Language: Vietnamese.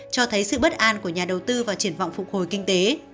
cho thấy sự bất an của nhà đầu tư vào triển vọng phục hồi kinh tế